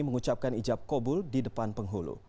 mengucapkan ijab kobul di depan penghulu